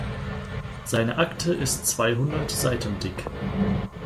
Seine Akte ist zweihundert Seiten dick.